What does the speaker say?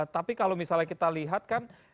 tapi kalau misalnya kita lihat kan